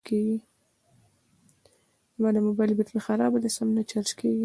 زما د موبایل بېټري خرابه ده سم نه چارج کېږي